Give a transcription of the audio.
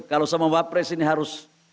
kalau sama wapres ini harus